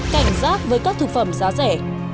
cảnh giác với các thực phẩm giá rẻ